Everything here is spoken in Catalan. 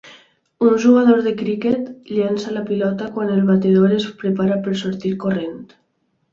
Un jugador de criquet llença la pilota quan el batedor es prepara per sortir corrent.